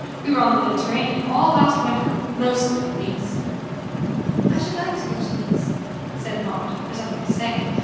We were on the Mediterranean all last winter, mostly at Nice." "I should like to go to Nice," said Maud, for something to say.